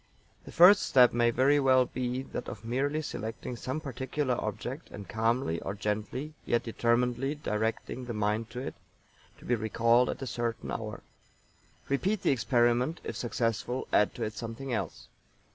The first step may very well be that of merely selecting some particular object and calmly or gently, yet determinedly directing the mind to it, to be recalled at a certain hoar. Repeat the experiment, if successful add to it something else.